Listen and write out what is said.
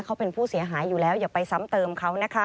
เขาเป็นผู้เสียหายอยู่แล้วอย่าไปซ้ำเติมเขานะคะ